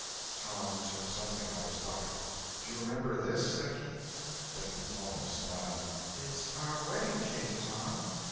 Tom took something out of his pocket. "Do you remember this?" said he. Becky almost smiled. "It's our wedding cake, Tom."